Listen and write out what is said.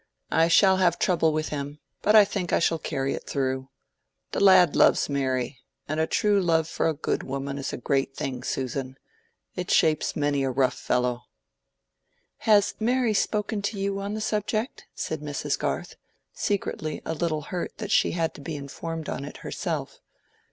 "I shall have trouble with him, but I think I shall carry it through. The lad loves Mary, and a true love for a good woman is a great thing, Susan. It shapes many a rough fellow." "Has Mary spoken to you on the subject?" said Mrs Garth, secretly a little hurt that she had to be informed on it herself.